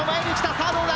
さあどうだ。